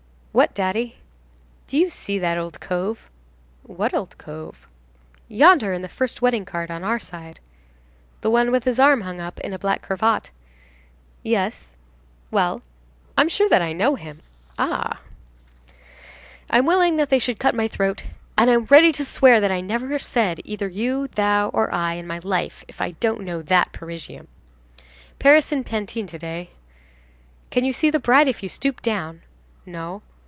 "What, daddy?" "Do you see that old cove?" "What old cove?" "Yonder, in the first wedding cart, on our side." "The one with his arm hung up in a black cravat?" "Yes." "Well?" "I'm sure that I know him." "Ah!" "I'm willing that they should cut my throat, and I'm ready to swear that I never said either you, thou, or I, in my life, if I don't know that Parisian." [pantinois.] "Paris in Pantin to day." "Can you see the bride if you stoop down?" "No."